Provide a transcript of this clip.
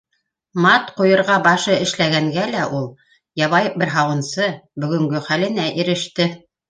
Мат ҡуйырға башы эшләгәнгә лә ул, ябай бер һауынсы, бөгөнгө хәленә иреште.